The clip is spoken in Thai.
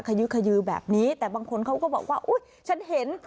ขยื้อขยือแบบนี้แต่บางคนเขาก็บอกว่าอุ๊ยฉันเห็น